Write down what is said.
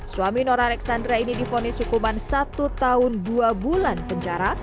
suami nora alexandra ini difonis hukuman satu tahun dua bulan penjara